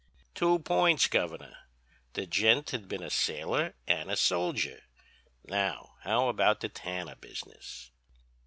"'Two points, Governor—the gent had been a sailor and a soldier; now how about the tanner business?